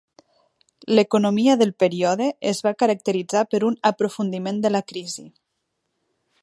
L'economia del període es va caracteritzar per un aprofundiment de la crisi.